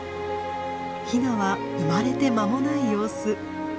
ヒナは生まれて間もない様子。